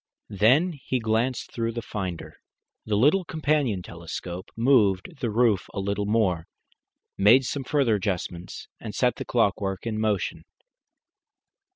Then he glanced through the finder, the little companion telescope, moved the roof a little more, made some further adjustments, and set the clockwork in motion.